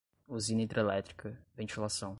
usina hidrelétrica, ventilação